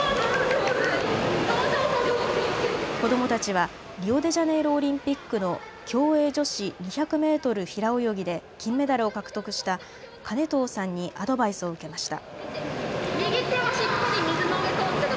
子どもたちは、リオデジャネイロオリンピックの競泳女子２００メートル平泳ぎで金メダルを獲得した金藤さんにアドバイスを受けました。